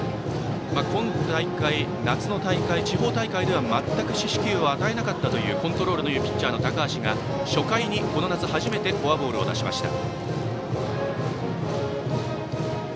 今大会、夏の大会、地方大会では全く四死球を与えなかったというコントロールのよいピッチャーの高橋が初回に、この夏初めてフォアボールを出しました。